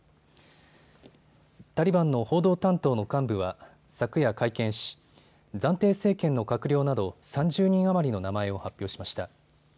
タリバンの報道担当の幹部は昨夜会見し、暫定政権の閣僚など３０人余りの名前を発表しました。